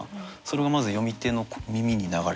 それがまず読み手の耳に流れてくる。